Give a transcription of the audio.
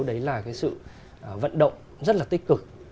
đấy là cái sự vận động rất là tích cực